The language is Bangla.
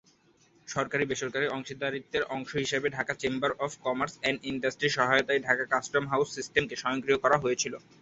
সরকারী-বেসরকারী অংশীদারিত্বের অংশ হিসাবে Dhaka chamber of commerce and ইন্ডাস্ট্রির সহায়তায় ঢাকা কাস্টম হাউজ সিস্টেমকে স্বয়ংক্রিয় করা হয়েছিল।